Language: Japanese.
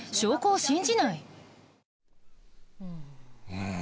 うん。